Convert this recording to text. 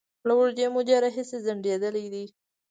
له اوږدې مودې راهیسې ځنډيدلې دي